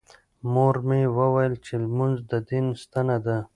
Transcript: مور مې وویل چې لمونځ د دین ستنه ده.